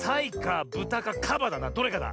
どれかだ。